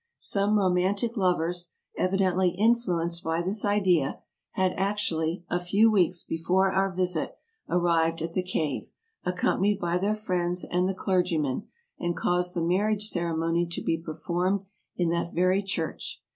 Some romantic lovers, evidently influenced by this idea, had actually, a few weeks before our visit, arrived at the cave, accompanied by their friends and the clergyman, and caused the marriage ceremony to be performed in that very church.